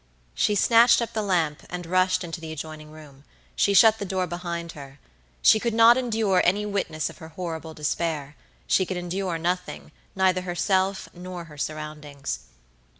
She snatched up the lamp and rushed into the adjoining room. She shut the door behind her. She could not endure any witness of her horrible despairshe could endure nothing, neither herself nor her surroundings.